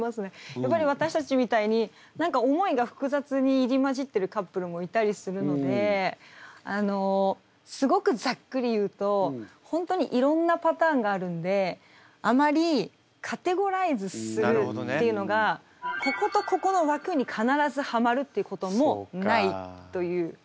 やっぱり私たちみたいに思いが複雑に入り交じってるカップルもいたりするのですごくざっくり言うと本当にいろんなパターンがあるんであまりカテゴライズするっていうのがこことここの枠に必ずはまるっていうこともないという。